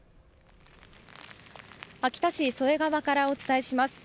秋田市添川からお伝えします。